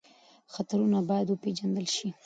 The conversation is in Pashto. خطرونه باید وپېژندل شي.